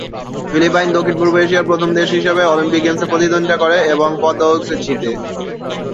Philippine দক্ষিণ-পূর্ব এশিয়ার প্রথম দেশ হিসাবে অলিম্পিক গেমসে প্রতিদ্বন্দ্বিতা করে এবং পদক জিতে।